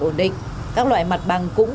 ổn định các loại mặt bằng cũng